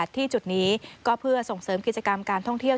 ที่จุดนี้ก็เพื่อส่งเสริมกิจกรรมการท่องเที่ยว